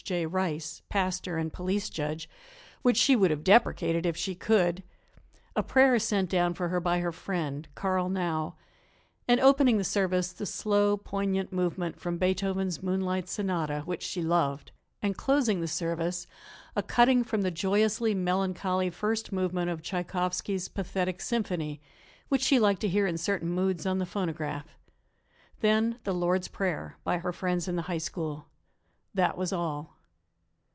J. Rice, pastor and police judge, which she would have deprecated if she could, a prayer sent down for her by her friend, Carl Nau, and opening the service the slow, poignant movement from Beethoven's Moonlight Sonata, which she loved, and closing the service a cutting from the joyously melancholy first movement of Tschaikowski's Pathetic Symphony, which she liked to hear in certain moods on the phonograph; then the Lord's Prayer by her friends in the High School. That was all.